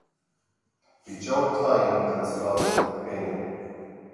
Bhí Joe tinn den sclábhaíocht chéanna.